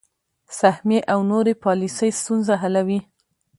سهمیې او نورې پالیسۍ ستونزه حلوي.